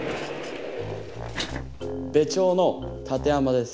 部長の館山です。